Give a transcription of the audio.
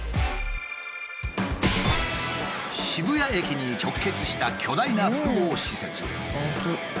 渋谷駅に直結した巨大な複合施設。